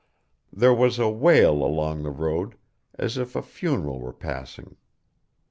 There was a wail along the road, as if a funeral were passing.